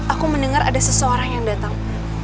aku mendengar ada seseorang yang datang